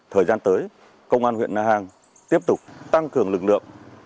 thời gian tới công an huyện na hàng tiếp tục tăng cường lực lượng